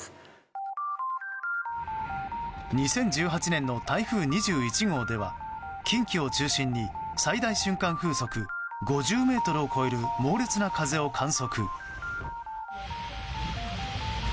２０１８年の台風２１号では近畿を中心に最大瞬間風速５０メートルを超える、猛烈な風を観測。